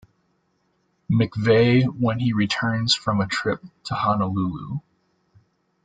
McVeigh when he returns from a trip to Honolulu.